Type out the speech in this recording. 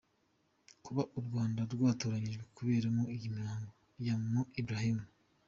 Kuba u Rwanda rwatoranyijwe kuberamo iyi mihango ya Mo Ibrahim;